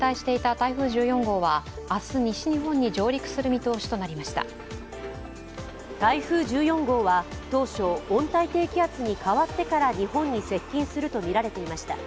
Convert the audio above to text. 台風１４号は当初、温帯低気圧に変わってから日本に接近すると見られていました。